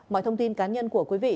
mọi thông tin cá nhân của quý vị